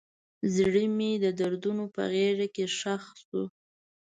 زړه مې د دردونو په غیږ کې ښخ شو.